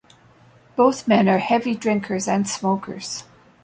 Both men are heavy drinkers and smokers.